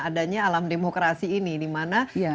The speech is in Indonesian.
adanya alam demokrasi ini di mana